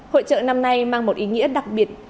hội trợ năm nay mang một ý nghĩa đặc biệt